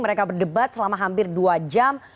mereka berdebat selama hampir dua jam